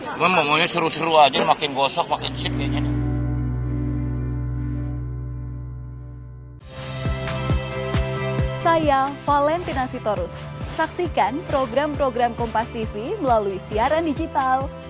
cuma mau seru seru aja makin gosok makin sip kayaknya